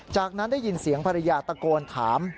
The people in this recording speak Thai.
จากนั้นได้ยินเสียงภรรยาตะโกนถาม